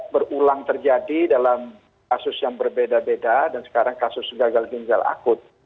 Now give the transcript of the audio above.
berulang terjadi dalam kasus yang berbeda beda dan sekarang kasus gagal ginjal akut